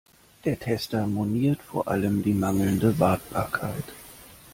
Der Tester moniert vor allem die mangelnde Wartbarkeit.